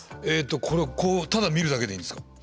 えっとこれはこうただ見るだけでいいんですか？